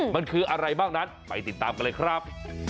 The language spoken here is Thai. มันคืออะไรบ้างนั้นไปติดตามกันเลยครับ